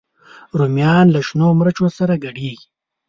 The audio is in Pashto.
رومیان له شنو مرچو سره ګډېږي